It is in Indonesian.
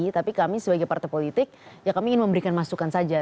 tapi kami sebagai partai politik ya kami ingin memberikan masukan saja